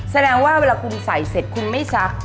แสดงว่าเวลาคุณใส่เสร็จคุณไม่ซัก